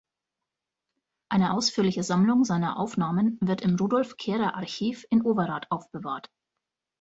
Eine ausführliche Sammlung seiner Aufnahmen wird im Rudolf-Kehrer-Archiv in Overath aufbewahrt.